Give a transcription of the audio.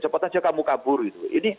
cepat aja kamu kabur gitu